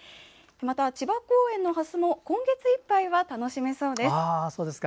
また、千葉公園のハスも今月いっぱいは楽しめそうです。